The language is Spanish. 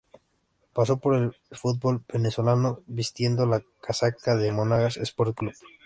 Pasó por el fútbol venezolano, vistiendo la casaca de Monagas Sport Club.